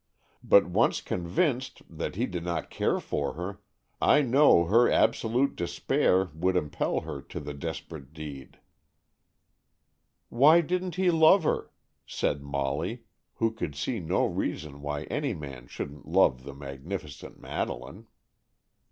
But once convinced that he did not care for her, I know her absolute despair would impel her to the desperate deed." "Why didn't he love her?" said Molly, who could see no reason why any man shouldn't love the magnificent Madeleine.